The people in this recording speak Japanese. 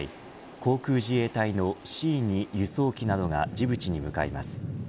航空自衛隊のＣー２輸送機などがジブチに向かいます。